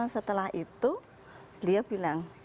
setelah itu dia bilang